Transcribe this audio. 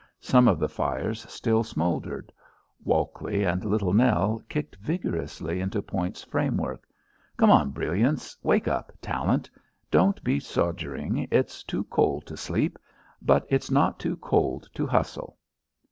Some of the fires still smouldered. Walkley and Little Nell kicked vigorously into Point's framework. "Come on, brilliance! Wake up, talent! Don't be sodgering. It's too cold to sleep, but it's not too cold to hustle."